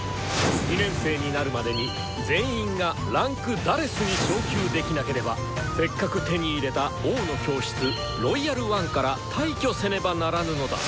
２年生になるまでに全員が位階「４」に昇級できなければせっかく手に入れた「王の教室」「ロイヤル・ワン」から退去せねばならぬのだ！